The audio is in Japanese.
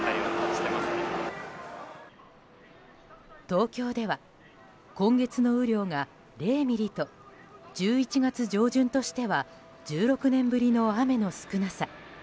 東京では今月の雨量が０ミリと１１月上旬としては１６年ぶりの雨の少なさ。